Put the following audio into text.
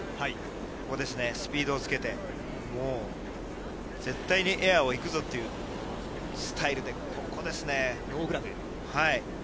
ここですね、スピードをつけて、もう絶対にエアをいくぞというスタイルでここですね。